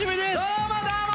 どうもどうも！